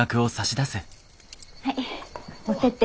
はい持ってって。